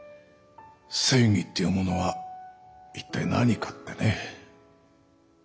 正義っていうものは一体何かってね。